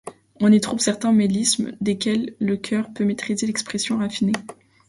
On y trouve certains mélismes desquels le chœur peut maîtriser l'expression raffinée.